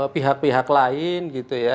pihak pihak lain gitu ya